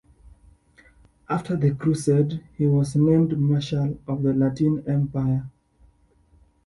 After the Crusade, he was named Marshal of the Latin Empire.